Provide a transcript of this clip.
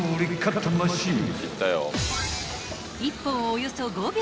［１本およそ５秒］